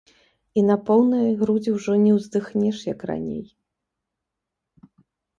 І на поўныя грудзі ужо не ўздыхнеш, як раней.